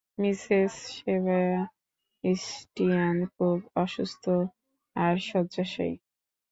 Mrs Sebastian খুব অসুস্থ আর শয্যাশায়ী।